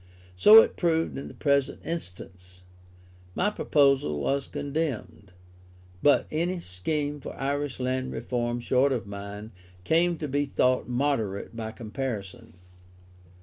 So it proved in the present instance; my proposal was condemned, but any scheme for Irish Land reform short of mine, came to be thought moderate by comparison.